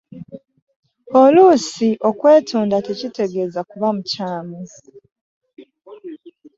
Oluusi okwetonda tekitegeeza kuba mukyamu.